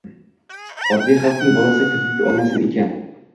Oddiy xalqning bolasi kredit olmasin ekan.